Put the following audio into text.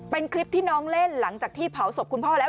เป็นคลิปที่น้องเล่นหลังจากที่เผาศพคุณพ่อแล้ว